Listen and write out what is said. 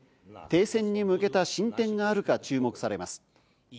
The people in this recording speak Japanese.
停戦に向けた進展があるか注目されます。